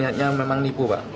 ini artinya menipu pak